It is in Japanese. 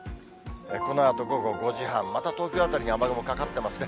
このあと午後５時半、また東京辺りに雨雲かかってますね。